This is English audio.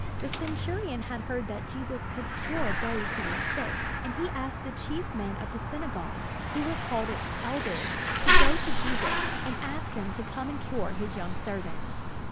The centurion had heard that Jesus could cure those who were sick; and he asked the chief men of the synagogue, who were called its "elders," to go to Jesus and ask him to come and cure his young servant.